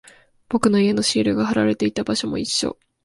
僕の家のシールが貼られていた場所も一緒。